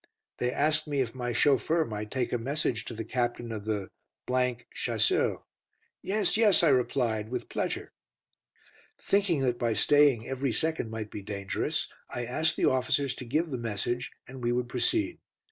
They asked me if my chauffeur might take a message to the Captain of the Chasseurs. "Yes, yes," I replied, "with pleasure." Thinking that by staying every second might be dangerous, I asked the officers to give the message, and we would proceed.